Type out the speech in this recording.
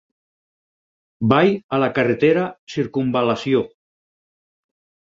Vaig a la carretera Circumval·lació.